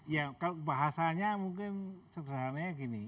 ya kalau bahasanya mungkin sederhananya gini